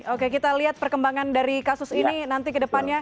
oke kita lihat perkembangan dari kasus ini nanti kedepannya